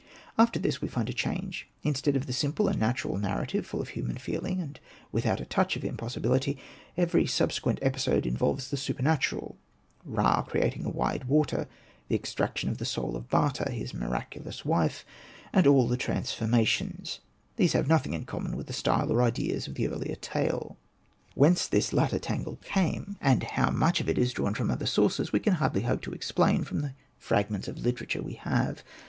'' After this we find a change ; instead of the simple and natural narrative, full of human feeling, and without a touch of impossibility, every subsequent episode involves the super natural ; Ra creating a wide water, the extraction of the soul of Bata, his miraculous wife, and all the transformations — these have nothing in common with the style or ideas of the earlier tale. Whence this later tangle came, and how Hosted by Google REMARKS 73 much of it is drawn from other sources, we can hardly hope to explain from the fragments of literature that we have.